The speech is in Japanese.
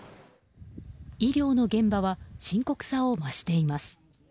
医療の現場は深刻さを増しています。